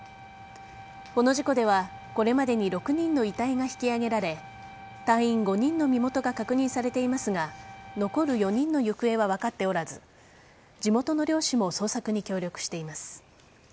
この事故では、これまでに６人の遺体が引き上げられ隊員５人の身元が確認されていますが残る４人の行方は分かっておらず地元の漁師も捜索に協力しています。